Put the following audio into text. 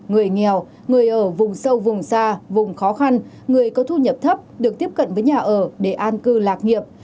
người nghèo người ở vùng sâu vùng xa vùng khó khăn người có thu nhập thấp được tiếp cận với nhà ở để an cư lạc nghiệp